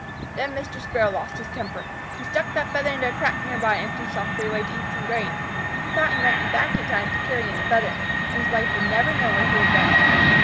Then Mr. Sparrow lost his temper. He stuck that feather into a crack near by, and flew softly away to eat some grain. He thought he might be back in time to carry in the feather and his wife never know where he had been.